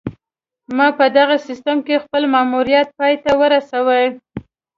ما په دغه سیستم کې خپل ماموریت پای ته ورسوو